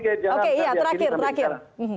oke terakhir terakhir